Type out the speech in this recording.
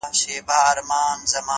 په گلونو کي عجيبه فلسفه ده!!